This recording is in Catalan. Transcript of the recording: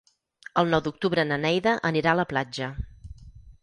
El nou d'octubre na Neida anirà a la platja.